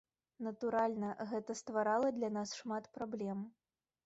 Натуральна, гэта стварала для нас шмат праблем.